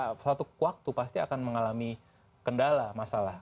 dan ujungnya memang akan pada suatu waktu pasti akan mengalami kendala masalah